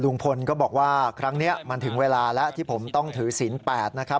ลุงพลก็บอกว่าครั้งนี้มันถึงเวลาแล้วที่ผมต้องถือศีล๘นะครับ